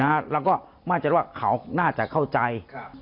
นะฮะแล้วก็มาจริงว่าเขาน่าจะเข้าใจครับ